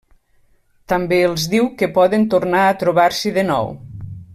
També els diu que poden tornar a trobar-s'hi de nou.